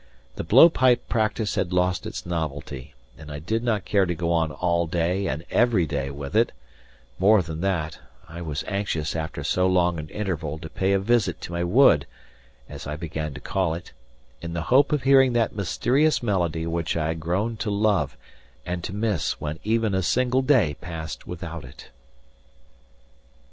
The blow pipe practice had lost its novelty, and I did not care to go on all day and every day with it; more than that, I was anxious after so long an interval to pay a visit to my wood, as I began to call it, in the hope of hearing that mysterious melody which I had grown to love and to miss when even a single day passed without it.